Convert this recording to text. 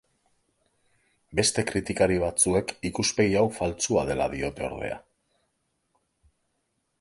Beste kritikari batzuek ikuspegi hau faltsua dela diote, ordea.